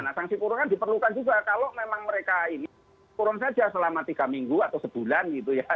nah sanksi kurungan diperlukan juga kalau memang mereka ini kurun saja selama tiga minggu atau sebulan gitu ya